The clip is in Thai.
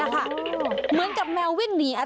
เหมือนกับแมววิ่งหนีอะไรมา